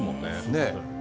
ねえ。